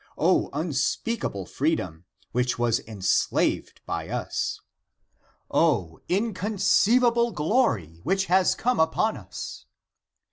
O unspeakable freedom, which was en slaved by us ! O, inconceivable glory, which has come upon us